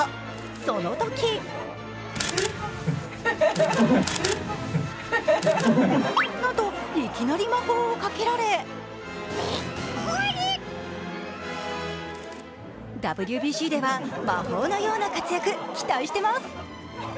そのときなんといきなり魔法をかけられＷＢＣでは魔法のような活躍期待してます。